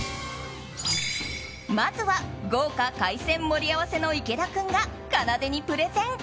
まずは豪華海鮮盛り合わせの池田君が、かなでにプレゼン。